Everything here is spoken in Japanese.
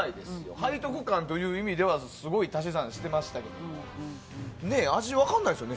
背徳感という意味ではすごい足し算してましたけど味、分からないですよね。